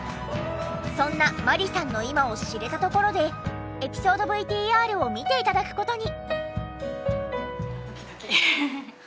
そんな万里さんの今を知れたところでエピソードＶＴＲを見て頂く事に。